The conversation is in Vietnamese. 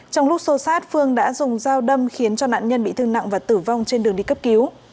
trong lúc xô sát phương đã dùng dao đâm khiến nạn nhân bị thương nặng và tử vong trên đường đi cấp cứu